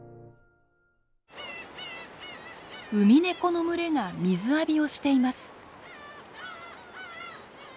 ウミネコの群れが水浴びをしています。